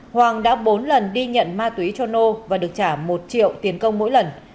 hoàng đã bốn lần đi nhận ma túy cho nô và được trả một triệu tiền công mỗi lần